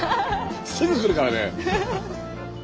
すぐ来るからね。